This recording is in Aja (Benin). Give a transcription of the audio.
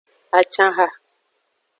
Acanha.